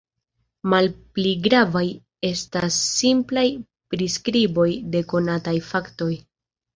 Malpli gravaj estas simplaj priskriboj de konataj faktoj.